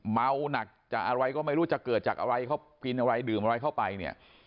เมาหนักจากอะไรก็ไม่รู้จะเกิดจากอะไรเขากินอะไรดื่มอะไรเข้าไปเนี่ย